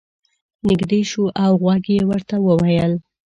نږدې شو او غوږ کې یې ورته وویل.